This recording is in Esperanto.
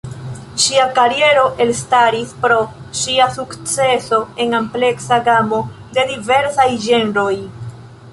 Ŝia kariero elstaris pro ŝia sukceso en ampleksa gamo de diversaj ĝenroj.